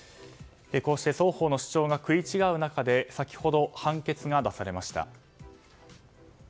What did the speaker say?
双方の主張が食い違う中で先ほど、判決が出されました。